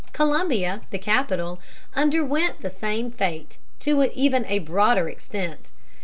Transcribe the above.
Columbia, the capital, underwent the same fate, to even a broader extent.